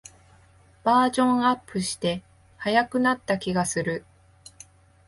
バージョンアップして速くなった気がする